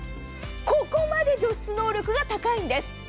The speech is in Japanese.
ここまで除湿能力が高いんです。